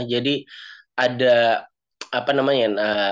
jadi ada apa namanya